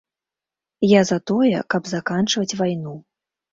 Я за тое, каб заканчваць вайну.